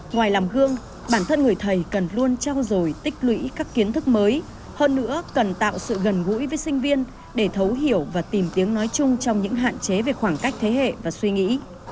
ngoài làm gương bản thân người thầy cần luôn trao dồi tích lũy các kiến thức mới hơn nữa cần tạo sự gần gũi với sinh viên để thấu hiểu và tìm tiếng nói chung trong những hạn chế về khoảng cách thế hệ và suy nghĩ